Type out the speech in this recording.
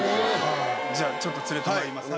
じゃあちょっと連れて参ります。